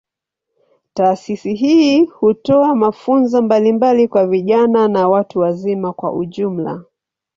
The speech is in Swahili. Taasisi hii hutoa mafunzo mbalimbali kwa vijana na watu wazima kwa ujumla.